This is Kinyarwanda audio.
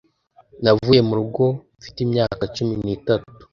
Navuye mu rugo mfite imyaka cumi nitatu